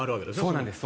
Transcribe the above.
そうなんです。